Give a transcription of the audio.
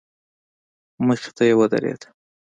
مخې ته يې ودرېد.